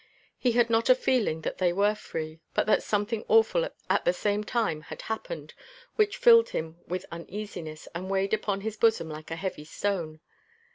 He had not a feeling that they were free, but that something awful at the same time had happened which filled him with uneasiness and weighed upon his bosom like a heavy stone.